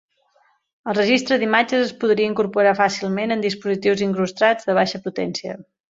El registre d'imatges es podria incorporar fàcilment en dispositius incrustats de baixa potència.